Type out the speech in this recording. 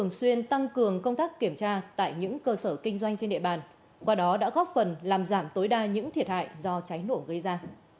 xuyên tăng cường công tác kiểm tra tại những cơ sở kinh doanh trên địa bàn qua đó đã góp phần làm giảm tối đa những thiệt hại do cháy nổ gây ra